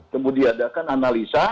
kemudian diadakan analisa